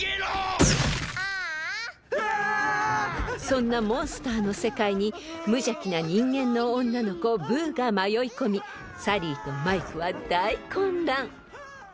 ［そんなモンスターの世界に無邪気な人間の女の子ブーが迷い込みサリーとマイクは大混乱］